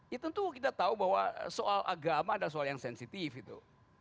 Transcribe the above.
ya tentu kita tahu bahwa soal agama adalah soal yang sensitif itu